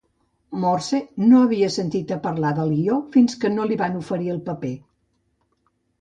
Morse no havia sentit parlar del guió fins que no li van oferir el paper.